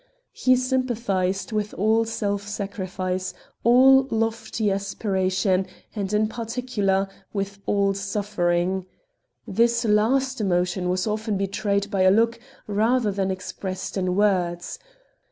He sympathised with all self sacrifice, all lofty aspiration, and in particular with all suffering. This last emotion was often betrayed by a look rather than expressed in words.